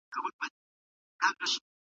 رازمل